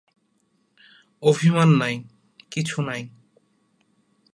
অভিমান নাই, কিছু নাই।